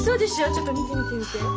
ちょっと見て見て見て。